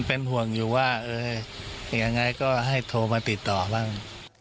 เป็นห่วงอยู่ว่ายังไงก็ให้โทรมาติดต่อบ้าง